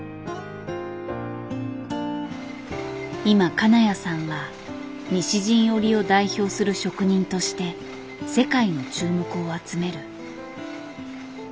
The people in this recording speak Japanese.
今金谷さんは西陣織を代表する職人として世界の注目を集める。